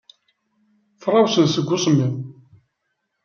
Frawsen seg usemmiḍ.